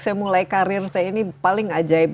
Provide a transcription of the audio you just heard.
saya mulai karir saya ini paling ajaib